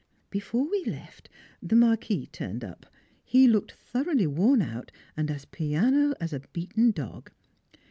Before we left, the Marquis turned up, he looked thoroughly worn out and as piano as a beaten dog.